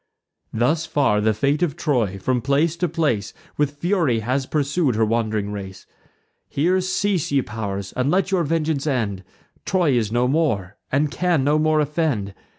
Thus far the fate of Troy, from place to place, With fury has pursued her wand'ring race. Here cease, ye pow'rs, and let your vengeance end: Troy is no more, and can no more offend.